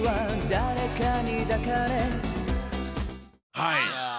はい。